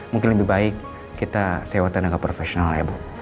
mungkin lebih baik kita sewa tenaga profesional ya bu